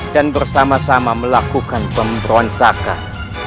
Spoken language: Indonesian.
dan bersama sama melakukan pemberontakan